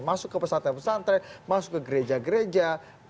masuk ke pesantren pesantren masuk ke gereja gereja